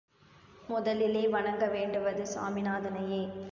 முதலிலே வணங்க வேண்டுவது சாமிநாதனையே.